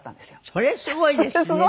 それすごいですね。